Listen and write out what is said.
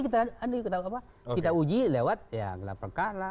kita uji lewat perkarna